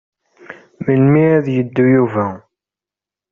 Melmi ad yeddu Yuba?